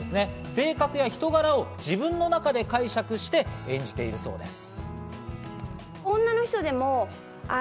性格や人柄を自分の中で解釈して演じているそうです。